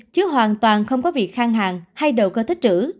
chứ hoàn toàn không có việc khang hàng hay đầu cơ tích trữ